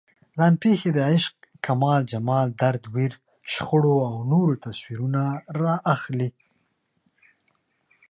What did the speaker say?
ځان پېښې د عشق، کمال، جمال، درد، ویر، شخړو او نورو تصویرونه راخلي.